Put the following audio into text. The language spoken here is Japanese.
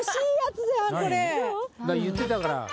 言ってたから。